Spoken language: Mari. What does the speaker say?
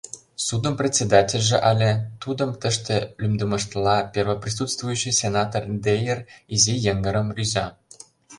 Судын председательже але, тудым тыште лӱмдымыштла, первоприсутствующий сенатор Дейер, изи йыҥгырым рӱза.